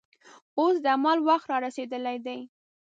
اوس د عمل وخت رارسېدلی دی.